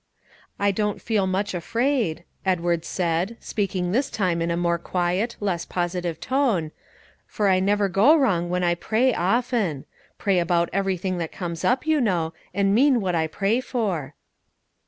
"I don't feel much afraid," Edward said, speaking this time in a more quiet, less positive tone, "for I never go wrong when I pray often; pray about everything that comes up, you know, and mean what I pray for."